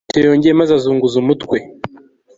ko petero yongeye , maze azunguza umutwe